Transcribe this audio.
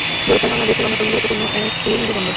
বরিশাল বাংলাদেশের অন্যতম গুরুত্বপূর্ণ একটি নদীবন্দর।